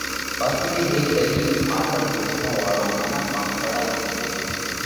ڀس ۾ هيڪ ڳرِيٻ، ڦاٽل لُوگھڙون واۯو منک پڻ سڙل هتو۔